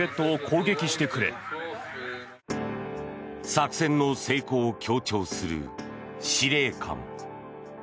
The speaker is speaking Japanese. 作戦の成功を強調する司令官。